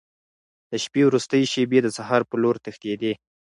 د شپې وروستۍ شېبې د سهار په لور تښتېدې.